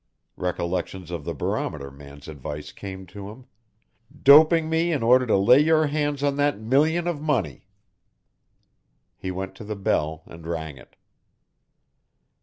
Recollections of the Barometer man's advice came to him, "doping me in order to lay your hands on that million of money." He went to the bell and rang it.